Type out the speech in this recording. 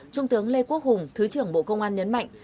trung tướng lê quốc hùng thứ trưởng bộ công an nhấn mạnh